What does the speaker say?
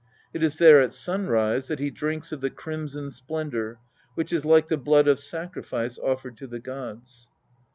It is there at sunrise that he drinks of the crimson splendour which is like the blood of sacrifice offered to the gods.